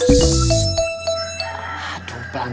aduh pelan pelan aja nanya nyanya ceng